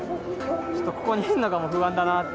ちょっとここにいるのが不安だな